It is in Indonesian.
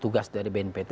tugas dari bnpt